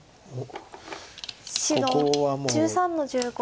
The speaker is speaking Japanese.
白１３の十五。